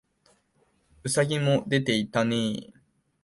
兎もでていたねえ